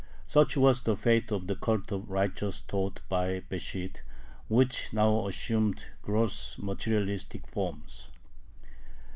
Such was the fate of the cult of the Righteous taught by Besht, which now assumed gross materialistic forms.